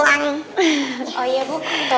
yang ingin paling keras